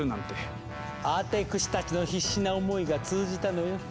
アテクシたちの必死な思いが通じたのよ。